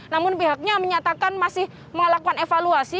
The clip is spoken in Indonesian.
namun pihaknya menyatakan masih melakukan evaluasi